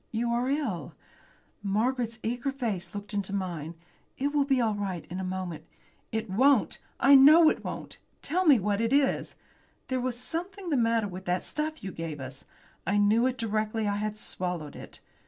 You are ill." Margaret's eager face looked into mine. "It will be all right in a minute." "It won't! I know it won't! Tell me what it is. There was something the matter with that stuff you gave us. I knew it directly I had swallowed it.